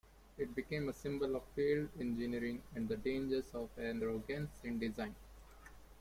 It became a symbol of failed engineering and the dangers of arrogance in design.